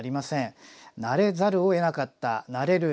慣れざるをえなかった慣れるしかなかった。